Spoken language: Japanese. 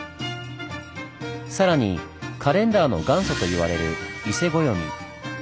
さらにカレンダーの元祖と言われる伊勢暦。